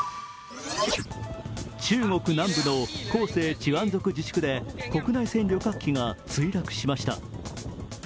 中国南部の広西チワン族自治区で国内線旅客機が墜落しました。